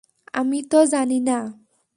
আমি তো জানি না।